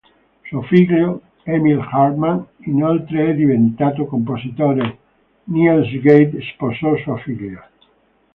Suo figlio, Emil Hartmann, inoltre è diventato compositore; Niels Gade sposò sua figlia.